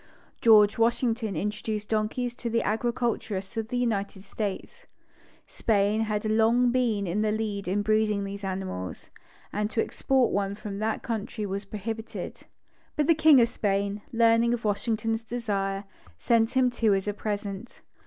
George Washington introduced donkeys to the agriculturists of the United States. Spain had long been in the lead in breeding these animals; and to export one from that country was prohibited. But the King of Spain, learning of Washington^ desire, sent him two as a present.